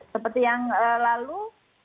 seperti yang lalu